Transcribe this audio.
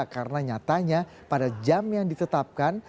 karena nyatanya pada jam yang ditetapkan